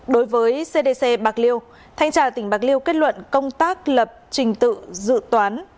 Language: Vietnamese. đối với cdc bạc liêu thanh tra tỉnh bạc liêu kết luận công tác lập trình tự dự toán